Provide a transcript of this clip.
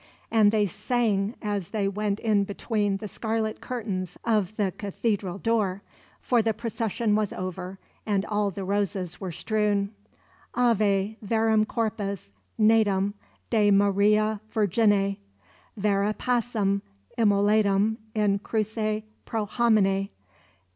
And they sang, as they went in between the scarlet curtains of the Cathedral door; for the procession was over, and all the roses were strewn: "Ave, verum Corpus, natum De Maria Virgine: Vere passum, immolatum In cruce pro homine!